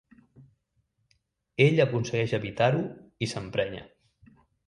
Ell aconsegueix evitar-ho i s'emprenya.